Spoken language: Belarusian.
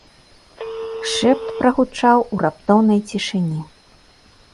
Шэпт прагучаў у раптоўнай цішыні.